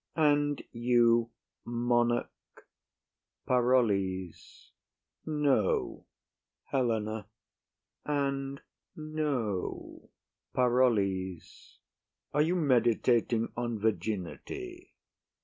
And you, monarch! PAROLLES. No. HELENA. And no. PAROLLES. Are you meditating on virginity?